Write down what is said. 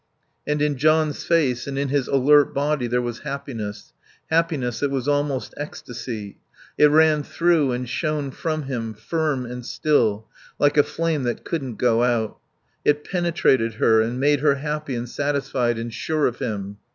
And in John's face and in his alert body there was happiness, happiness that was almost ecstasy; it ran through and shone from him, firm and still, like a flame that couldn't go out. It penetrated her and made her happy and satisfied and sure of him.